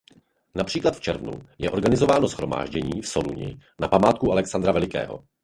Například v červnu je organizováno shromáždění v Soluni na památku Alexandra Velikého.